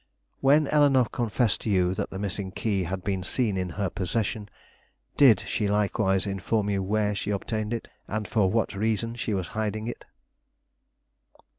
"When Eleanore confessed to you that the missing key had been seen in her possession, did she likewise inform you where she obtained it, and for what reason she was hiding it?"